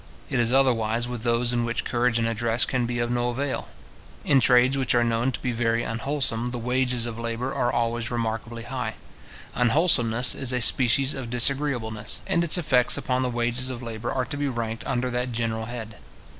It is otherwise with those in which courage and address can be of no avail. In trades which are known to be very unwholesome, the wages of labour are always remarkably high. Unwholesomeness is a species of disagreeableness, and its effects upon the wages of labour are to be ranked under that general head.